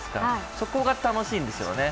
そこが楽しいんでしょうね。